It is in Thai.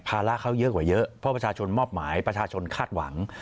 ระเขาเยอะกว่าเยอะเพราะประชาชนมอบหมายประชาชนคาดหวัง